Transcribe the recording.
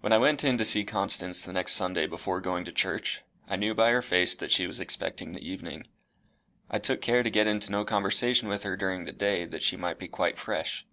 When I went in to see Constance the next Sunday morning before going to church, I knew by her face that she was expecting the evening. I took care to get into no conversation with her during the day, that she might be quite fresh.